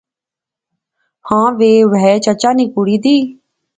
با وی وہے چچا نی کڑی دی